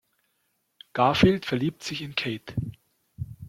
Garfield verliebt sich in Kate.